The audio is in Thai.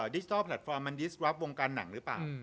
ดิจิทัลแพลตฟอร์มมันดิสวับวงการหนังหรือเปล่า